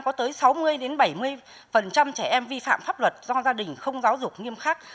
có tới sáu mươi bảy mươi trẻ em vi phạm pháp luật do gia đình không giáo dục nghiêm khắc